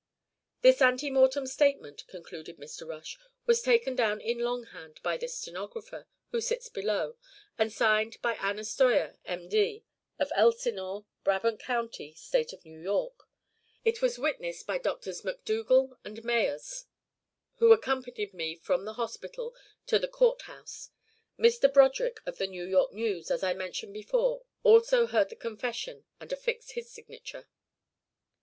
"This ante mortem statement," concluded Mr. Rush, "was taken down in longhand by the stenographer who sits below, and signed by Anna Steuer, M.D., of Elsinore, Brabant County, State of New York. It was witnessed by Drs. MacDougal and Meyers, who accompanied me from the hospital to the Court house. Mr. Broderick of the New York News, as I mentioned before, also heard the confession and affixed his signature."